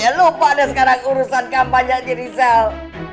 jangan lupa deh sekarang urusan kampanye di rizal